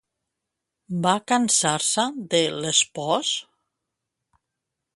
Va cansar-se de l'espòs?